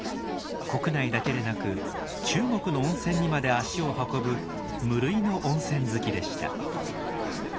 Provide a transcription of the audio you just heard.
国内だけでなく中国の温泉にまで足を運ぶ無類の温泉好きでした。